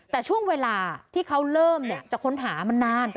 แต่ช่วงเวลาที่เขาเริ่มจะค้นหามันนาน